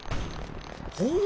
ほう！